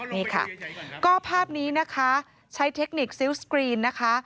นี่ค่ะก็ภาพนี้นะคะใช้เทคนิคซิลสกรีนนะคะ